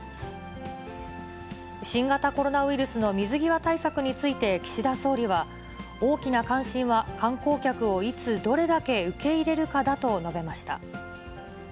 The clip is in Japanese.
新型コロナウイルスの水際対策について岸田総理は、大きな関心は観光客をいつ、どれだけ受け入れるかだと述べました。